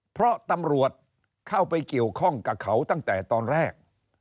เพราะตำรวจเข้าไปเกี่ยวข้องกับเขาตั้งแต่ตอนแรก